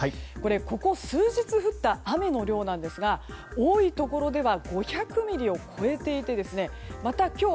ここ数日降った雨の量なんですが多いところでは５００ミリを超えていてまた今日